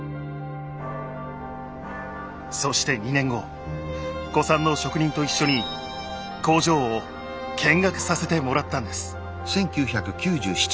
そして２年後古参の職人と一緒に工場を見学させてもらったんです。